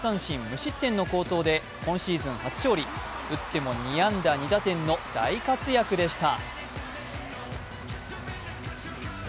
無失点の好投で今シーズン初勝利、打っても２安打２打点の大活躍でした。